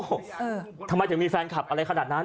ทำไมถึงมีแฟนคลับอะไรขนาดนั้น